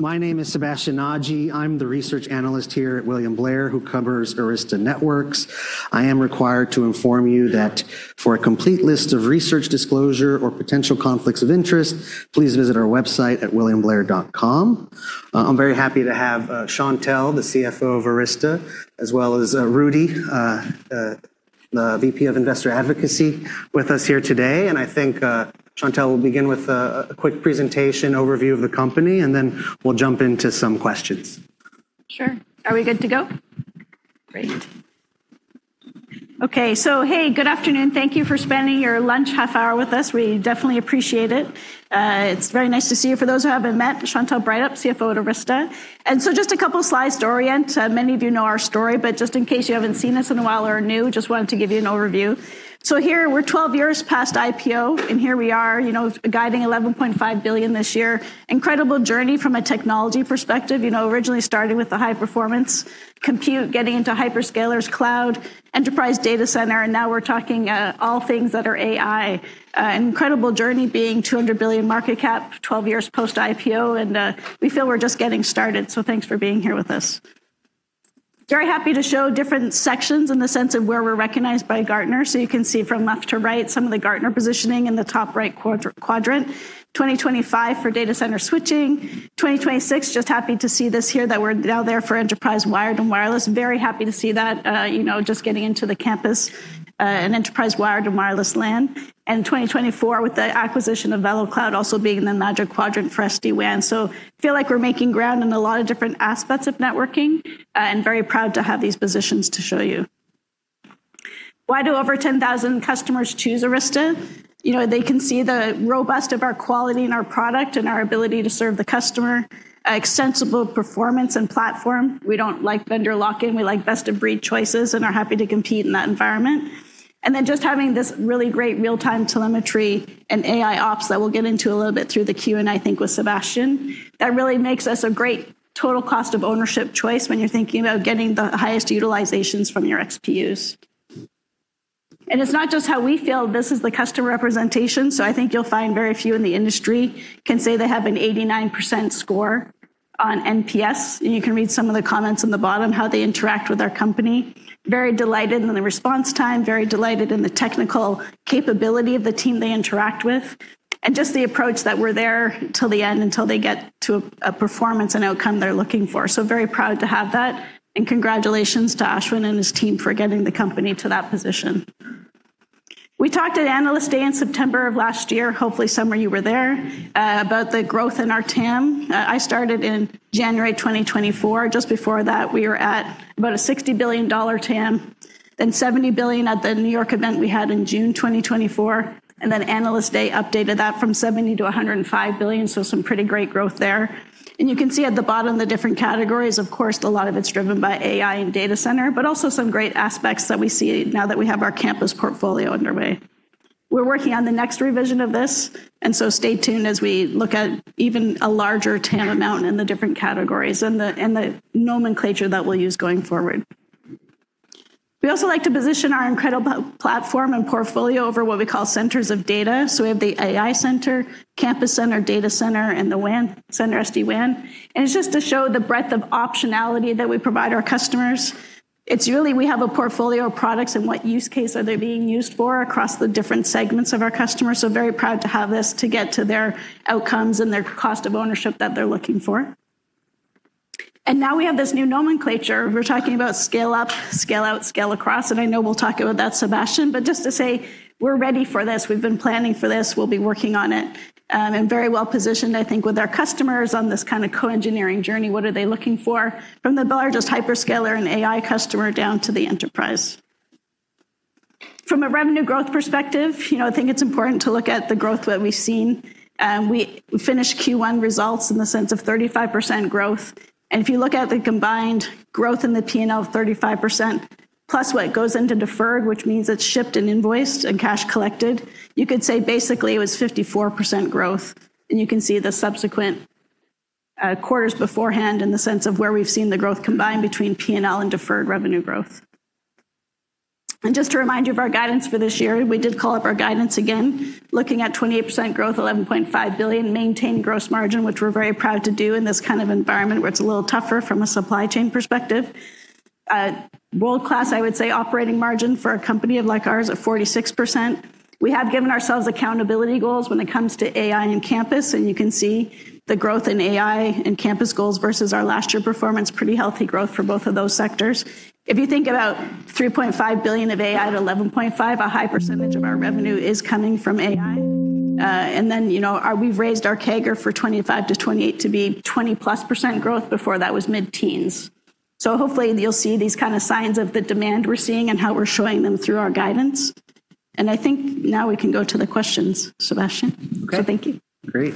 My name is Sebastien Naji. I'm the research analyst here at William Blair who covers Arista Networks. I am required to inform you that for a complete list of research disclosure or potential conflicts of interest, please visit our website at williamblair.com. I'm very happy to have Chantelle, the CFO of Arista, as well as Rudy, the VP of Investor Advocacy, with us here today. I think Chantelle will begin with a quick presentation overview of the company, and then we'll jump into some questions. Sure. Are we good to go? Great. Okay. Hey, good afternoon. Thank you for spending your lunch half-hour with us. We definitely appreciate it. It's very nice to see you. For those who haven't met, Chantelle Breithaupt, CFO at Arista Networks. Just a couple of slides to orient. Many of you know our story, just in case you haven't seen us in a while or are new, just wanted to give you an overview. Here, we're 12 years past IPO, here we are guiding $11.5 billion this year. Incredible journey from a technology perspective. Originally starting with the high-performance compute, getting into hyperscalers, cloud, enterprise data center, and now we're talking all things that are AI. An incredible journey being $200 billion market cap, 12 years post-IPO, we feel we're just getting started. Thanks for being here with us. Very happy to show different sections in the sense of where we're recognized by Gartner. You can see from left to right, some of the Gartner positioning in the top right quadrant. 2025 for data center switching. 2026, just happy to see this here that we're now there for enterprise wired and wireless. Very happy to see that. Just getting into the campus and enterprise wired and wireless LAN. 2024, with the acquisition of VeloCloud also being in the magic quadrant for SD-WAN. Feel like we're making ground in a lot of different aspects of networking, and very proud to have these positions to show you. Why do over 10,000 customers choose Arista? They can see the robust of our quality in our product and our ability to serve the customer. Extensible performance and platform. We don't like vendor lock-in. We like best-of-breed choices and are happy to compete in that environment. Just having this really great real-time telemetry and AIOps that we'll get into a little bit through the Q&A, I think, with Sebastien. That really makes us a great total cost of ownership choice when you're thinking about getting the highest utilizations from your XPUs. It's not just how we feel. This is the customer representation, so I think you'll find very few in the industry can say they have an 89% score on NPS. You can read some of the comments on the bottom, how they interact with our company. Very delighted in the response time, very delighted in the technical capability of the team they interact with, and just the approach that we're there till the end until they get to a performance and outcome they're looking for. Very proud to have that, and congratulations to Ashwin and his team for getting the company to that position. We talked at Analyst Day in September of last year, hopefully some of you were there, about the growth in our TAM. I started in January 2024. Just before that, we were at about a $60 billion TAM, then $70 billion at the New York event we had in June 2024, and then Analyst Day updated that from $70 billion-$105 billion, so some pretty great growth there. You can see at the bottom the different categories. Of course, a lot of it's driven by AI and data center, but also some great aspects that we see now that we have our campus portfolio underway. We're working on the next revision of this. Stay tuned as we look at even a larger TAM amount in the different categories and the nomenclature that we'll use going forward. We also like to position our incredible platform and portfolio over what we call centers of data. We have the AI center, campus center, data center, and SD-WAN. It's just to show the breadth of optionality that we provide our customers. It's really we have a portfolio of products and what use case are they being used for across the different segments of our customers. Very proud to have this to get to their outcomes and their cost of ownership that they're looking for. Now we have this new nomenclature. We're talking about scale up, scale out, scale across, and I know we'll talk about that, Sebastien. Just to say we're ready for this. We've been planning for this. We'll be working on it and very well-positioned, I think, with our customers on this kind of co-engineering journey. What are they looking for? From the largest hyperscaler and AI customer down to the enterprise. From a revenue growth perspective, I think it's important to look at the growth that we've seen. We finished Q1 results in the sense of 35% growth. If you look at the combined growth in the P&L, 35%, plus what goes into deferred, which means it's shipped and invoiced and cash collected, you could say basically it was 54% growth. You can see the subsequent quarters beforehand in the sense of where we've seen the growth combined between P&L and deferred revenue growth. Just a reminder of our guidance for this year. We did call up our guidance again. Looking at 28% growth, $11.5 billion, maintain gross margin, which we're very proud to do in this kind of environment where it's a little tougher from a supply chain perspective. World-class, I would say, operating margin for a company like ours at 46%. We have given ourselves accountability goals when it comes to AI and campus, and you can see the growth in AI and campus goals versus our last year performance. Pretty healthy growth for both of those sectors. If you think about $3.5 billion of AI to $11.5, a high percentage of our revenue is coming from AI. We've raised our CAGR for 2025 to 2028 to be 20%+ growth. Before, that was mid-teens. Hopefully you'll see these kind of signs of the demand we're seeing and how we're showing them through our guidance. I think now we can go to the questions, Sebastien. Okay. Thank you. Great.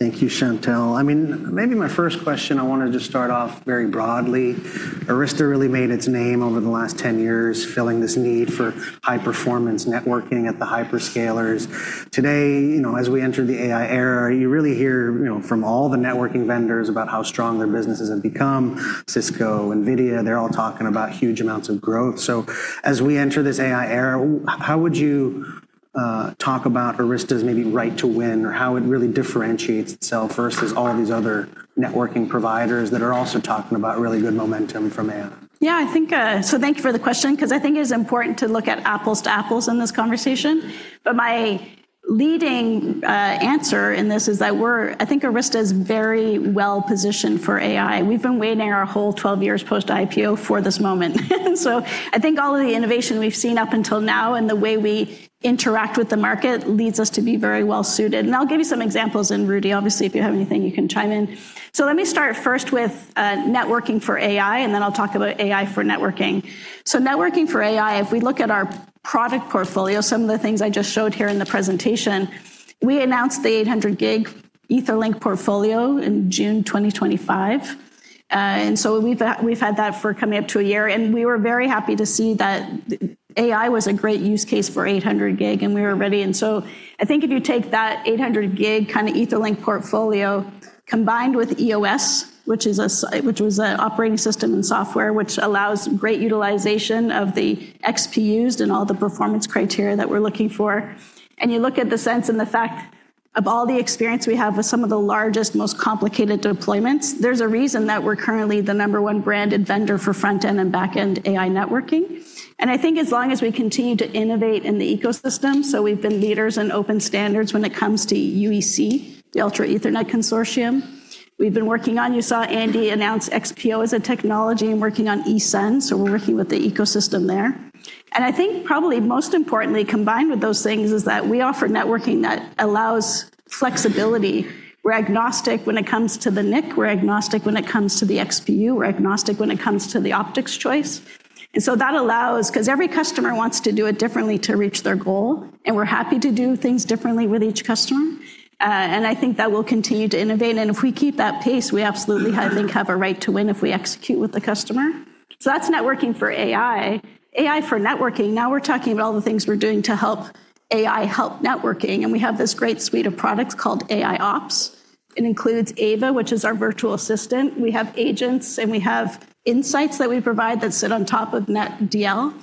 Thank you, Chantelle. My first question, I want to just start off very broadly. Arista really made its name over the last 10 years filling this need for high-performance networking at the hyperscalers. Today, as we enter the AI era, you really hear from all the networking vendors about how strong their businesses have become. Cisco, NVIDIA, they're all talking about huge amounts of growth. As we enter this AI era, Talk about Arista's maybe right to win, or how it really differentiates itself versus all of these other networking providers that are also talking about really good momentum from AI. Yeah. Thank you for the question, because I think it is important to look at apples to apples in this conversation. My leading answer in this is, I think Arista is very well positioned for AI. We've been waiting our whole 12 years post-IPO for this moment. I think all of the innovation we've seen up until now and the way we interact with the market leads us to be very well-suited. I'll give you some examples. Rudy Araujo, obviously, if you have anything, you can chime in. Let me start first with networking for AI, and then I'll talk about AI for networking. Networking for AI, if we look at our product portfolio, some of the things I just showed here in the presentation, we announced the 800G EtherLink portfolio in June 2025. We've had that coming up to a year, and we were very happy to see that AI was a great use case for 800G, and we were ready. I think if you take that 800G Etherlink portfolio combined with EOS, which was an operating system and software which allows great utilization of the XPU and all the performance criteria that we're looking for. You look at the sense and the fact of all the experience we have with some of the largest, most complicated deployments, there's a reason that we're currently the number one brand and vendor for front-end and back-end AI networking. I think as long as we continue to innovate in the ecosystem, so we've been leaders in open standards when it comes to UEC, the Ultra Ethernet Consortium. We've been working on, you saw Andy announce XPO as a technology, and working on ESEN. We're working with the ecosystem there. I think probably most importantly, combined with those things, is that we offer networking that allows flexibility. We're agnostic when it comes to the NIC, we're agnostic when it comes to the XPU, we're agnostic when it comes to the optics choice. That allows, because every customer wants to do it differently to reach their goal, and we're happy to do things differently with each customer. I think that we'll continue to innovate, and if we keep that pace, we absolutely, I think, have a right to win if we execute with the customer. That's networking for AI. AI for networking, now we're talking about all the things we're doing to help AI help networking, and we have this great suite of products called AIOps. It includes AVA, which is our virtual assistant. We have agents, and we have insights that we provide that sit on top of NetDL.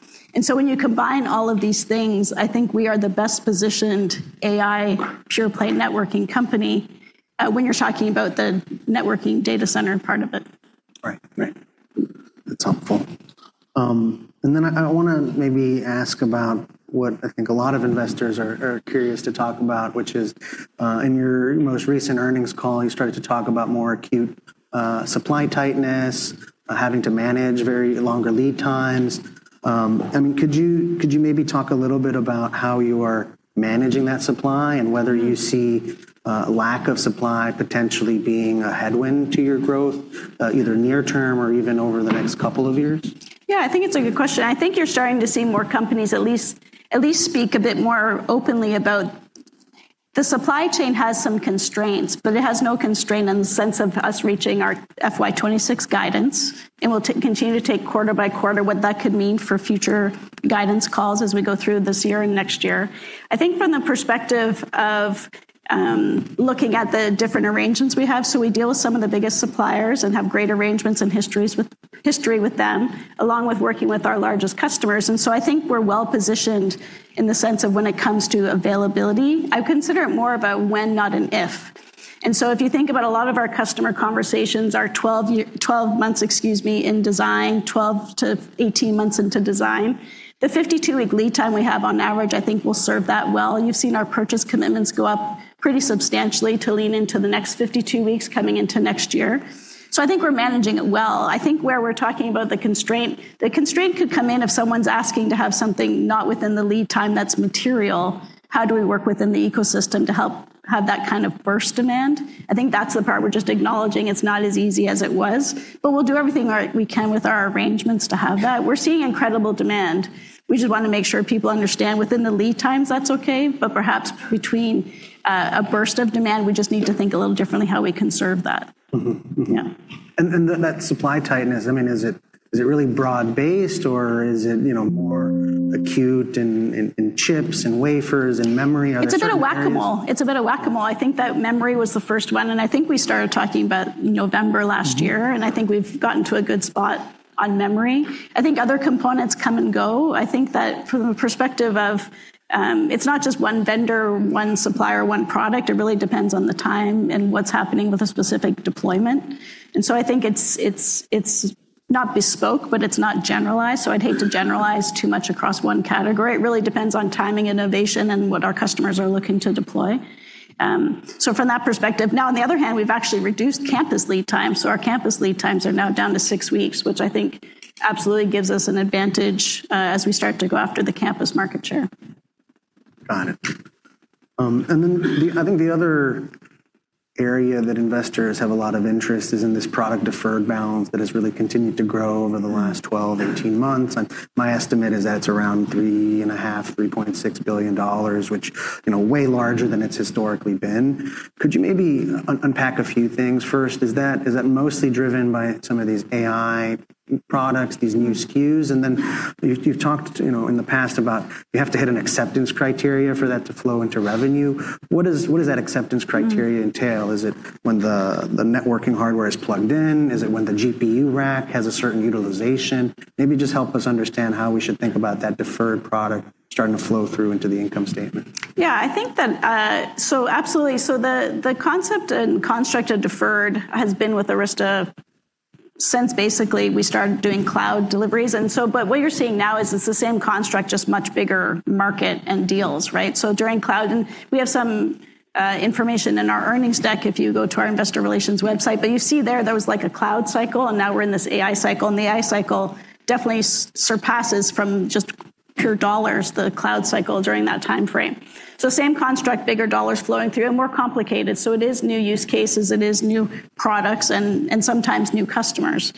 When you combine all of these things, I think we are the best-positioned AI pure-play networking company when you're talking about the networking data center part of it. Right. That's helpful. Then I want to maybe ask about what I think a lot of investors are curious to talk about, which is, in your most recent earnings call, you started to talk about more acute supply tightness, having to manage very longer lead times. Could you maybe talk a little bit about how you are managing that supply and whether you see a lack of supply potentially being a headwind to your growth, either near term or even over the next couple of years? Yeah, I think it's a good question. I think you're starting to see more companies at least speak a bit more openly about the supply chain has some constraints, but it has no constraint in the sense of us reaching our FY 2026 guidance. We'll continue to take quarter-by-quarter what that could mean for future guidance calls as we go through this year and next year. I think from the perspective of looking at the different arrangements we have, so we deal with some of the biggest suppliers and have great arrangements and history with them, along with working with our largest customers. I think we're well positioned in the sense of when it comes to availability. I would consider it more of a when, not an if. If you think about a lot of our customer conversations are 12 months, excuse me, in design, 12-18 months into design. The 52-week lead time we have on average, I think will serve that well. You've seen our purchase commitments go up pretty substantially to lean into the next 52 weeks coming into next year. I think we're managing it well. I think where we're talking about the constraint, the constraint could come in if someone's asking to have something not within the lead time that's material. How do we work within the ecosystem to help have that kind of burst demand? I think that's the part we're just acknowledging it's not as easy as it was. We'll do everything we can with our arrangements to have that. We're seeing incredible demand. We just want to make sure people understand within the lead times, that's okay. Perhaps between a burst of demand, we just need to think a little differently how we can serve that. Yeah. That supply tightness, is it really broad-based or is it more acute in chips and wafers and memory, other sort of areas? It's a bit of Whac-A-Mole. I think that memory was the first one, and I think we started talking about November last year. I think we've gotten to a good spot on memory. I think other components come and go. I think that from the perspective of it's not just one vendor, one supplier, one product, it really depends on the time and what's happening with a specific deployment. I think it's not bespoke, but it's not generalized, so I'd hate to generalize too much across one category. It really depends on timing, innovation, and what our customers are looking to deploy from that perspective. Now, on the other hand, we've actually reduced campus lead times, so our campus lead times are now down to six weeks, which I think absolutely gives us an advantage as we start to go after the campus market share. Got it. I think the other area that investors have a lot of interest is in this product deferred balance that has really continued to grow over the last 12, 18 months. My estimate is that it's around $3.5 billion, $3.6 billion, which way larger than it's historically been. Could you maybe unpack a few things? First, is that mostly driven by some of these AI products, these new SKUs? You've talked in the past about you have to hit an acceptance criteria for that to flow into revenue. What does that acceptance criteria entail? Is it when the networking hardware is plugged in? Is it when the GPU rack has a certain utilization? Maybe just help us understand how we should think about that deferred product starting to flow through into the income statement. Yeah. Absolutely. The concept and construct of deferred has been with Arista since basically we started doing cloud deliveries. What you're seeing now is it's the same construct, just much bigger market and deals, right? During cloud, and we have some information in our earnings deck if you go to our investor relations website. You see there was like a cloud cycle, and now we're in this AI cycle, and the AI cycle definitely surpasses from just pure dollars, the cloud cycle during that time frame. Same construct, bigger dollars flowing through and more complicated. It is new use cases, it is new products, and sometimes new customers.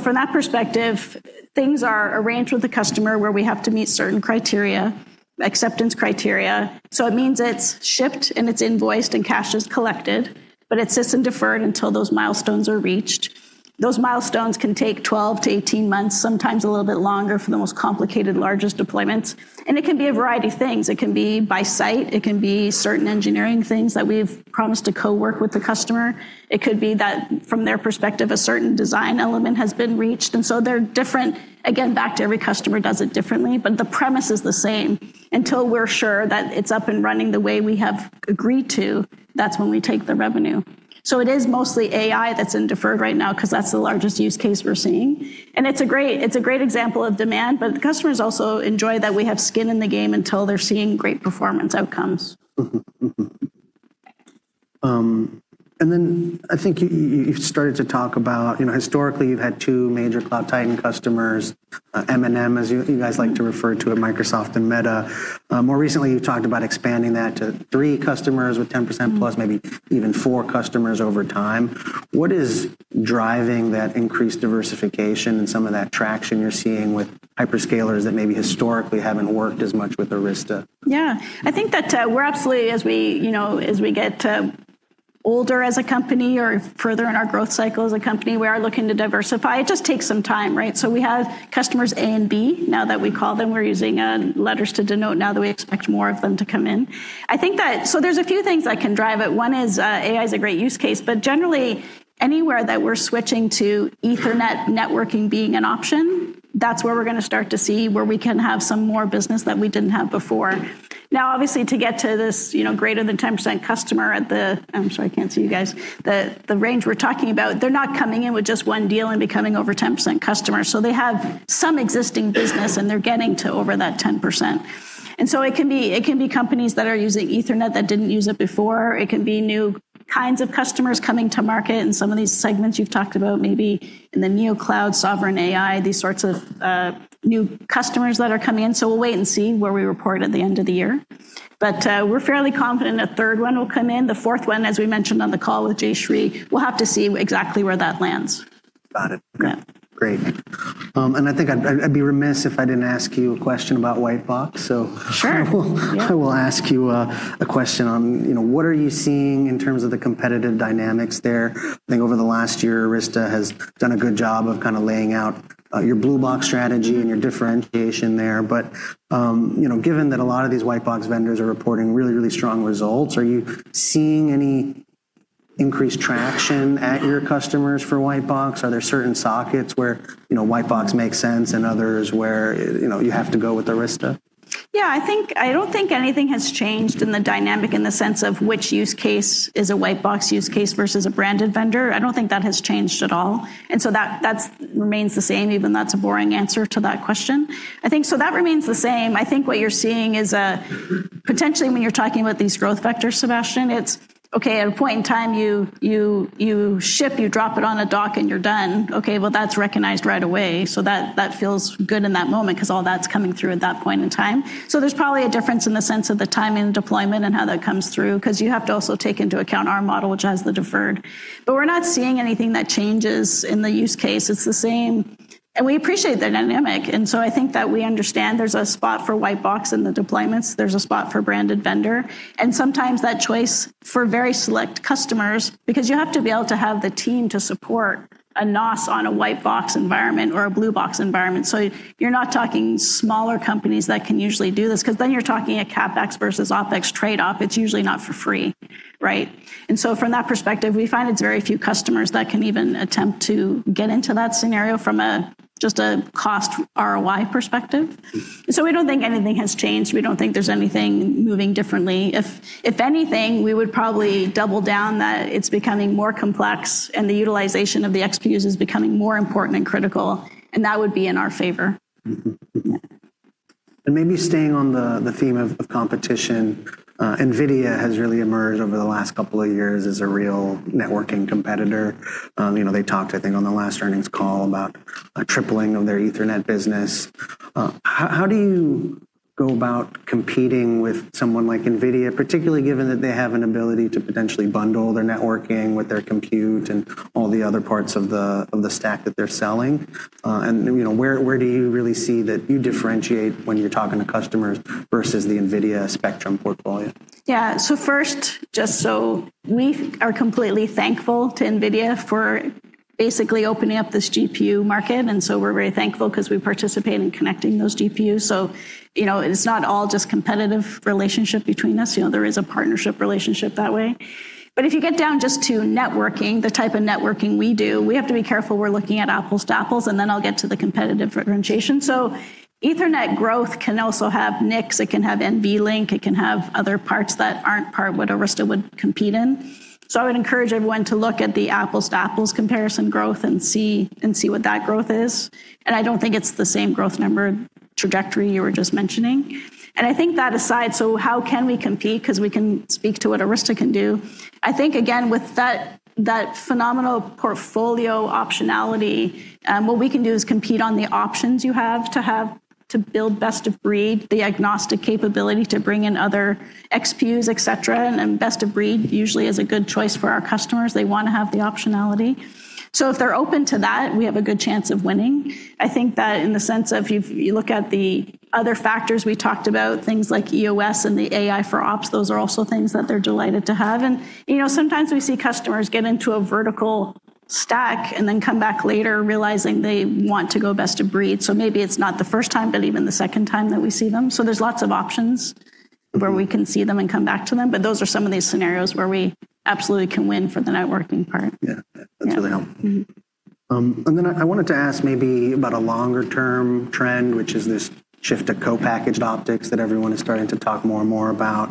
From that perspective, things are arranged with the customer where we have to meet certain acceptance criteria. It means it's shipped, it's invoiced, and cash is collected, but it sits in deferred until those milestones are reached. Those milestones can take 12-18 months, sometimes a little bit longer for the most complicated, largest deployments. It can be a variety of things. It can be by site, it can be certain engineering things that we've promised to co-work with the customer. It could be that from their perspective, a certain design element has been reached, they're different. Again, back to every customer does it differently, but the premise is the same. Until we're sure that it's up and running the way we have agreed to, that's when we take the revenue. It is mostly AI that's in deferred right now because that's the largest use case we're seeing. It's a great example of demand, but the customers also enjoy that we have skin in the game until they're seeing great performance outcomes. I think you've started to talk about, historically, you've had two major cloud titan customers, M&M, as you guys like to refer to them, Microsoft and Meta. More recently, you've talked about expanding that to three customers with 10%+, maybe even four customers over time. What is driving that increased diversification and some of that traction you're seeing with hyperscalers that maybe historically haven't worked as much with Arista? Yeah. I think that we're absolutely, as we get older as a company or further in our growth cycle as a company, we are looking to diversify. It just takes some time, right? We have customers A and B now that we call them. We're using letters to denote now that we expect more of them to come in. There's a few things that can drive it. One is, AI is a great use case, but generally, anywhere that we're switching to Ethernet networking being an option, that's where we're going to start to see where we can have some more business that we didn't have before. Obviously, to get to this, greater than 10% customer. I'm sorry, I can't see you guys. The range we're talking about, they're not coming in with just one deal and becoming over 10% customers. They have some existing business, and they're getting to over that 10%. It can be companies that are using Ethernet that didn't use it before. It can be new kinds of customers coming to market in some of these segments you've talked about, maybe in the Neocloud, Sovereign AI, these sorts of new customers that are coming in. We'll wait and see where we report at the end of the year. We're fairly confident a third one will come in. The fourth one, as we mentioned on the call with Jayshree, we'll have to see exactly where that lands. Got it. Yeah. Great. I think I'd be remiss if I didn't ask you a question about white box. Sure. I will ask you a question on, what are you seeing in terms of the competitive dynamics there? I think over the last year, Arista has done a good job of laying out your Blue Box strategy and your differentiation there. Given that a lot of these white box vendors are reporting really, really strong results, are you seeing any increased traction at your customers for white box? Are there certain sockets where white box makes sense and others where you have to go with Arista? I don't think anything has changed in the dynamic in the sense of which use case is a white box use case versus a branded vendor. I don't think that has changed at all. That remains the same, even that's a boring answer to that question. I think that remains the same. I think what you're seeing is potentially when you're talking about these growth vectors, Sebastien, it's okay, at a point in time, you ship, you drop it on a dock, and you're done. Okay, well, that's recognized right away, that feels good in that moment because all that's coming through at that point in time. There's probably a difference in the sense of the time and deployment and how that comes through because you have to also take into account our model, which has the deferred. We're not seeing anything that changes in the use case. It's the same. We appreciate the dynamic, I think that we understand there's a spot for white box in the deployments. There's a spot for branded vendor, and sometimes that choice for very select customers because you have to be able to have the team to support a NOS on a white box environment or a Blue Box environment. You're not talking smaller companies that can usually do this because then you're talking a CapEx versus OpEx trade-off. It's usually not for free, right? From that perspective, we find it's very few customers that can even attempt to get into that scenario from just a cost ROI perspective. We don't think anything has changed. We don't think there's anything moving differently. If anything, we would probably double down that it's becoming more complex and the utilization of the XPUs is becoming more important and critical, and that would be in our favor. Maybe staying on the theme of competition, NVIDIA has really emerged over the last couple of years as a real networking competitor. They talked, I think, on the last earnings call about a tripling of their Ethernet business. How do you go about competing with someone like NVIDIA, particularly given that they have an ability to potentially bundle their networking with their compute and all the other parts of the stack that they're selling? Where do you really see that you differentiate when you're talking to customers versus the NVIDIA Spectrum portfolio? First, just we are completely thankful to NVIDIA for basically opening up this GPU market, we're very thankful because we participate in connecting those GPUs. It's not all just competitive relationship between us. There is a partnership relationship that way. If you get down just to networking, the type of networking we do, we have to be careful we're looking at apples to apples, and then I'll get to the competitive differentiation. Ethernet growth can also have NICs, it can have NVLink, it can have other parts that aren't part what Arista would compete in. I would encourage everyone to look at the apples to apples comparison growth and see what that growth is. I don't think it's the same growth number-trajectory you were just mentioning. I think that aside, how can we compete? We can speak to what Arista can do. I think, again, with that phenomenal portfolio optionality, what we can do is compete on the options you have to build best-of-breed, the agnostic capability to bring in other XPs, et cetera. Best-of-breed usually is a good choice for our customers. They want to have the optionality. If they're open to that, we have a good chance of winning. I think that in the sense of if you look at the other factors we talked about, things like EOS and the AI for ops, those are also things that they're delighted to have. Sometimes we see customers get into a vertical stack and then come back later realizing they want to go best-of-breed. Maybe it's not the first time, but even the second time that we see them. There's lots of options where we can see them and come back to them, but those are some of these scenarios where we absolutely can win for the networking part. Yeah. That's really helpful. I wanted to ask maybe about a longer-term trend, which is this shift to Co-packaged optics that everyone is starting to talk more and more about.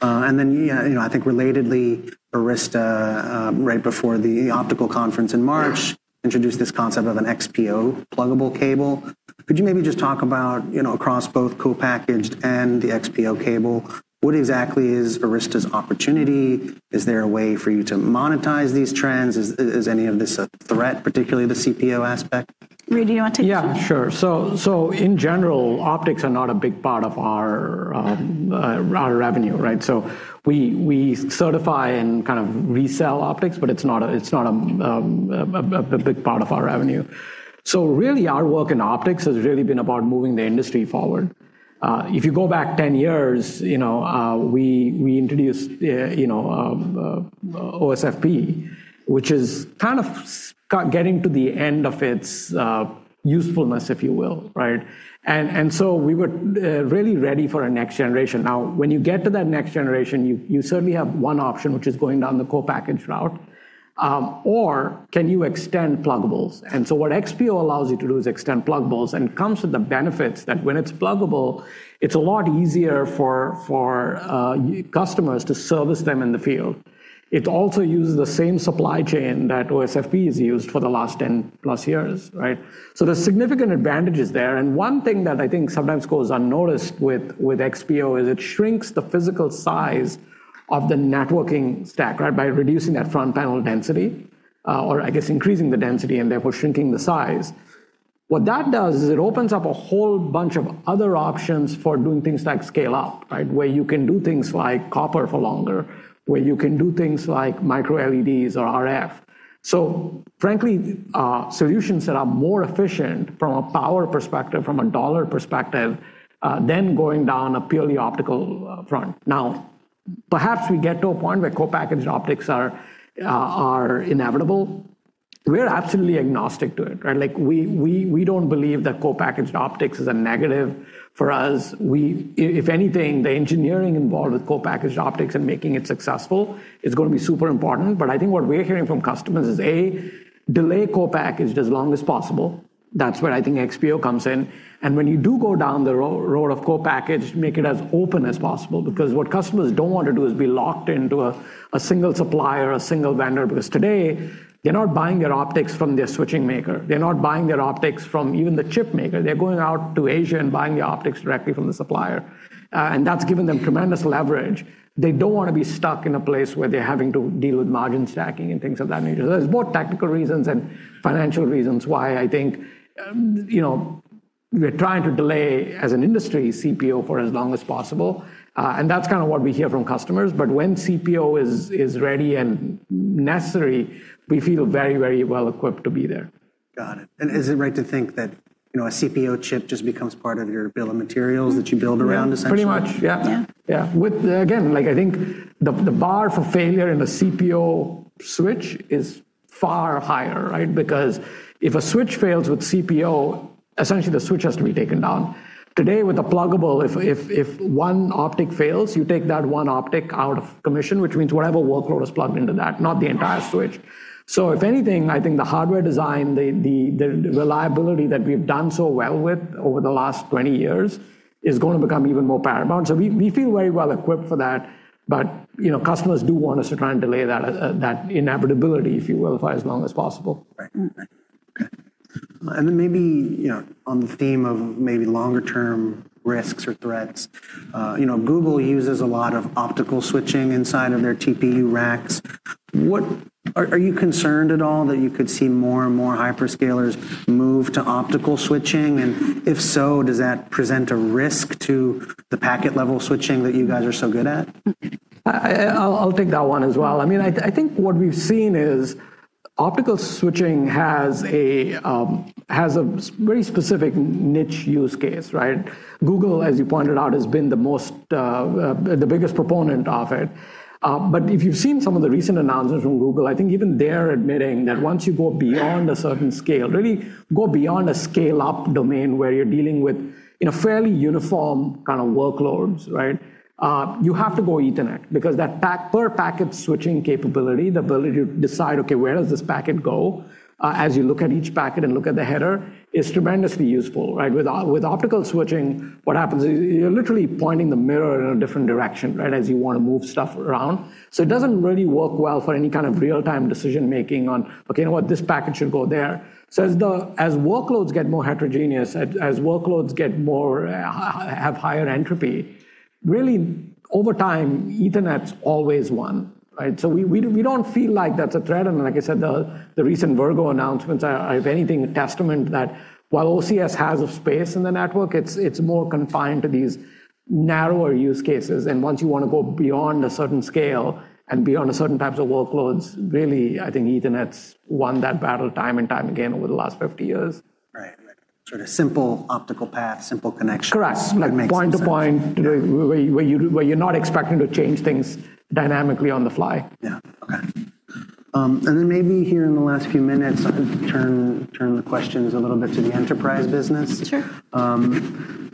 I think relatedly, Arista, right before the optical conference in March, introduced this concept of an XPO pluggable cable. Could you maybe just talk about, across both co-packaged and the XPO cable, what exactly is Arista's opportunity? Is there a way for you to monetize these trends? Is any of this a threat, particularly the CPO aspect? Rudy, do you want to take this one? Yeah, sure. In general, optics are not a big part of our revenue, right? We certify and kind of resell optics, but it's not a big part of our revenue. Really, our work in optics has really been about moving the industry forward. If you go back 10 years, we introduced OSFP, which is kind of getting to the end of its usefulness, if you will, right? We were really ready for a next generation. Now, when you get to that next generation, you certainly have one option, which is going down the co-package route. Can you extend pluggables? What XPO allows you to do is extend pluggables and comes with the benefits that when it's pluggable, it's a lot easier for customers to service them in the field. It also uses the same supply chain that OSFP has used for the last 10+ years, right? There's significant advantages there, and one thing that I think sometimes goes unnoticed with XPO is it shrinks the physical size of the networking stack by reducing that front panel density, or I guess increasing the density and therefore shrinking the size. What that does is it opens up a whole bunch of other options for doing things like scale-up, where you can do things like copper for longer, where you can do things like MicroLEDs or RF. Frankly, solutions that are more efficient from a power perspective, from a dollar perspective, than going down a purely optical front. Now, perhaps we get to a point where co-packaged optics are inevitable. We're absolutely agnostic to it, right? We don't believe that co-packaged optics is a negative for us. If anything, the engineering involved with co-packaged optics and making it successful is going to be super important. I think what we're hearing from customers is, A, delay co-packaged as long as possible. That's where I think XPO comes in. When you do go down the road of co-package, make it as open as possible. What customers don't want to do is be locked into a single supplier, a single vendor, because today they're not buying their optics from their switching maker. They're not buying their optics from even the chip maker. They're going out to Asia and buying the optics directly from the supplier. That's given them tremendous leverage. They don't want to be stuck in a place where they're having to deal with margin stacking and things of that nature. There's both tactical reasons and financial reasons why I think we're trying to delay, as an industry, CPO for as long as possible. That's kind of what we hear from customers. When CPO is ready and necessary, we feel very well equipped to be there. Got it. Is it right to think that a CPO chip just becomes part of your bill of materials that you build around, essentially? Pretty much, yeah. Yeah. Yeah. With, again, I think the bar for failure in a CPO switch is far higher, right? If a switch fails with CPO, essentially the switch has to be taken down. Today with a pluggable, if one optic fails, you take that one optic out of commission, which means whatever workload is plugged into that, not the entire switch. If anything, I think the hardware design, the reliability that we've done so well with over the last 20 years is going to become even more paramount. We feel very well equipped for that, but customers do want us to try and delay that inevitability, if you will, for as long as possible. Right. Okay. Maybe on the theme of maybe longer-term risks or threats, Google uses a lot of optical switching inside of their TPU racks. Are you concerned at all that you could see more and more hyperscalers move to optical switching? If so, does that present a risk to the packet-level switching that you guys are so good at? I'll take that one as well. I think what we've seen is optical switching has a very specific niche use case, right? Google, as you pointed out, has been the biggest proponent of it. If you've seen some of the recent announcements from Google, I think even they're admitting that once you go beyond a certain scale, really go beyond a scale-up domain where you're dealing with fairly uniform kind of workloads, you have to go Ethernet. That per-packet switching capability, the ability to decide, okay, where does this packet go as you look at each packet and look at the header, is tremendously useful. With optical switching, what happens is you're literally pointing the mirror in a different direction as you want to move stuff around. It doesn't really work well for any kind of real-time decision-making on, okay. This packet should go there. As workloads get more heterogeneous, as workloads have higher entropy, really over time, Ethernet's always won, right? We don't feel like that's a threat. Like I said, the recent Virgo announcements are, if anything, a testament that while OCS has a space in the network, it's more confined to these narrower use cases. Once you want to go beyond a certain scale and beyond certain types of workloads, really, I think Ethernet's won that battle time and time again over the last 50 years. Right. Sort of simple optical path, simple connections. Correct that makes more sense. Like point to point, where you're not expecting to change things dynamically on the fly. Yeah. Okay. Maybe here in the last few minutes, I could turn the questions a little bit to the enterprise business. Sure.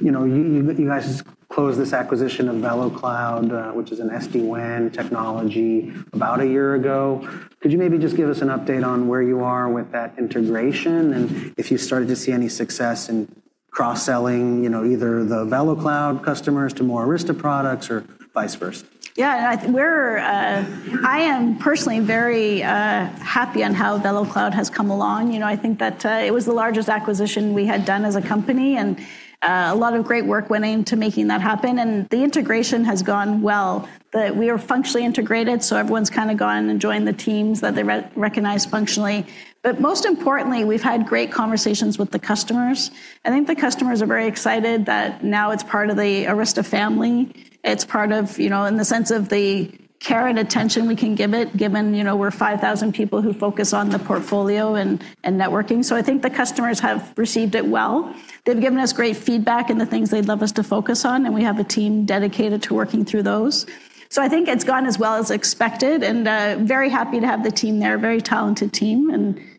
You guys closed this acquisition of VeloCloud, which is an SD-WAN technology, about a year ago. Could you maybe just give us an update on where you are with that integration and if you've started to see any success in cross-selling, either the VeloCloud customers to more Arista products or vice versa? Yeah. I am personally very happy on how VeloCloud has come along. I think that it was the largest acquisition we had done as a company, a lot of great work went into making that happen. The integration has gone well, that we are functionally integrated, so everyone's kind of gone and joined the teams that they recognize functionally. Most importantly, we've had great conversations with the customers. I think the customers are very excited that now it's part of the Arista family. It's part of, in the sense of the care and attention we can give it, given we're 5,000 people who focus on the portfolio and networking. I think the customers have received it well. They've given us great feedback and the things they'd love us to focus on, and we have a team dedicated to working through those. I think it's gone as well as expected, and very happy to have the team there. Very talented team,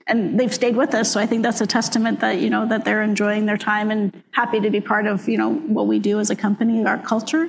and they've stayed with us, so I think that's a testament that they're enjoying their time and happy to be part of what we do as a company, our culture.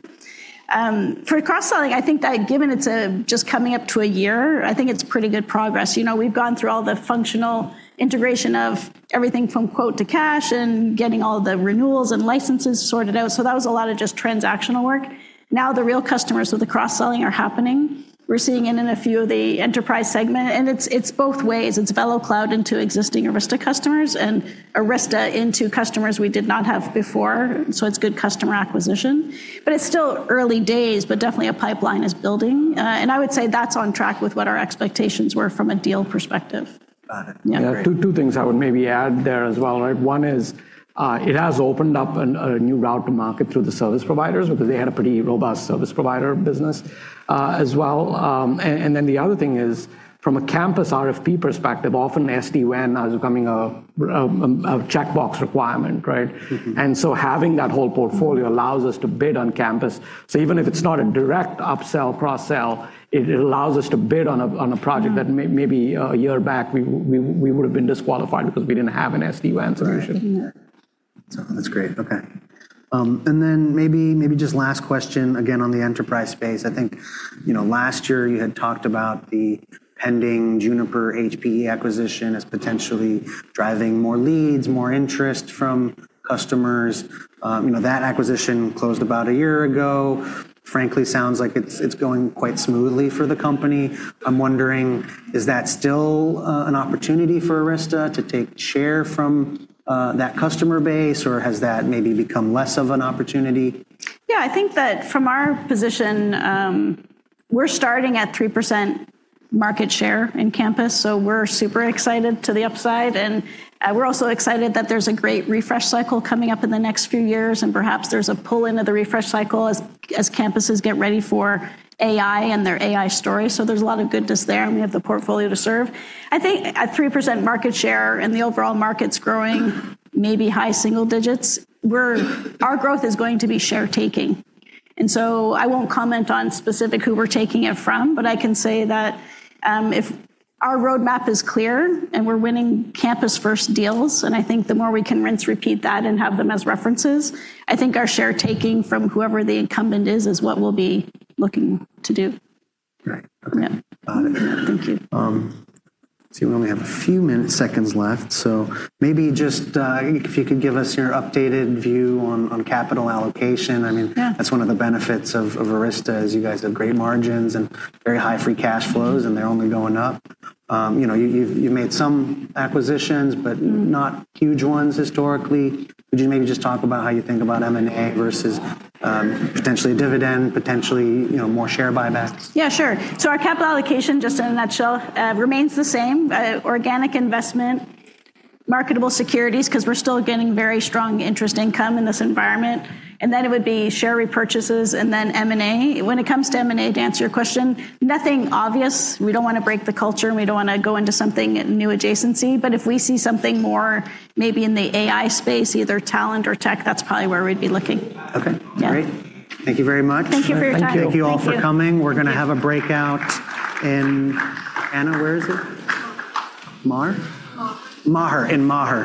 For cross-selling, I think that given it's just coming up to a year, I think it's pretty good progress. We've gone through all the functional integration of everything from quote to cash and getting all the renewals and licenses sorted out. That was a lot of just transactional work. Now the real customers with the cross-selling are happening. We're seeing it in a few of the enterprise segment, and it's both ways. It's VeloCloud into existing Arista customers and Arista into customers we did not have before. It's good customer acquisition. It's still early days, but definitely a pipeline is building. I would say that's on track with what our expectations were from a deal perspective. Got it. Yeah. Great. Two things I would maybe add there as well. One is, it has opened up a new route to market through the service providers because they had a pretty robust service provider business, as well. The other thing is, from a campus RFP perspective, often SD-WAN is becoming a checkbox requirement. Having that whole portfolio allows us to bid on campus. Even if it's not a direct upsell, cross-sell, it allows us to bid on a project that maybe a year back, we would've been disqualified because we didn't have an SD-WAN solution. Right. Yeah. That's great. Okay. Maybe just last question, again, on the enterprise space. I think last year you had talked about the pending Juniper HPE acquisition as potentially driving more leads, more interest from customers. That acquisition closed about a year ago. Frankly, sounds like it's going quite smoothly for the company. I'm wondering, is that still an opportunity for Arista to take share from that customer base, or has that maybe become less of an opportunity? Yeah, I think that from our position, we're starting at 3% market share in campus, so we're super excited to the upside. We're also excited that there's a great refresh cycle coming up in the next few years, and perhaps there's a pull into the refresh cycle as campuses get ready for AI and their AI story. There's a lot of goodness there, and we have the portfolio to serve. I think at 3% market share and the overall market's growing maybe high single digits, our growth is going to be share taking I won't comment on specific who we're taking it from, but I can say that if our roadmap is clear and we're winning campus-first deals, and I think the more we can rinse and repeat that and have them as references, I think our share taking from whoever the incumbent is is what we'll be looking to do. Right. Okay. Yeah. Got it. Thank you. I see we only have a few seconds left, so maybe just if you could give us your updated view on capital allocation. Yeah That's one of the benefits of Arista, is you guys have great margins and very high free cash flows, and they're only going up. You've made some acquisitions but not huge ones historically. Could you maybe just talk about how you think about M&A versus potentially a dividend, potentially more share buybacks? Yeah, sure. Our capital allocation, just in a nutshell, remains the same. Organic investment, marketable securities, because we're still getting very strong interest income in this environment. Then it would be share repurchases and then M&A. When it comes to M&A, to answer your question, nothing obvious. We don't want to break the culture, and we don't want to go into something at new adjacency. If we see something more maybe in the AI space, either talent or tech, that's probably where we'd be looking. Okay. Yeah. Great. Thank you very much. Thank you for your time. Thank you. Thank you all for coming. We're going to have a breakout in Anna, where is it? In Maher.